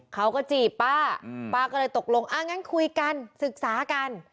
เขาก็จีบป้าป้าก็เลยตกลงอ่างั้นคุยกันศึกษากัน